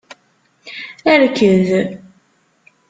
Rked!